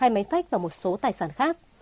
hai máy phách và một số tài sản khác